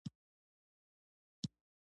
د دې کورنۍ وروستی تن محمد نومېده.